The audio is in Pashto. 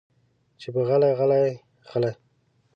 چې به غلې غلې غلې